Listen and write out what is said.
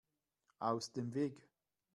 Aus dem Weg!